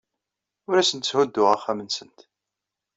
Ur asent-tthudduɣ axxam-nsent.